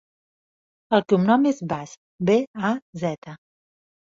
El cognom és Baz: be, a, zeta.